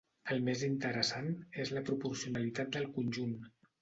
El més interessant és la proporcionalitat del conjunt.